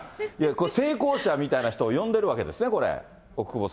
これ、成功者みたいな人を呼んでるわけですね、これ。